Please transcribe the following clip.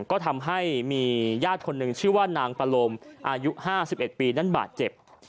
ก็ทำให้มีญาติคนหนึ่งชื่อว่านางปะโลมอายุ๕๑ปีนั้นบาดเจ็บ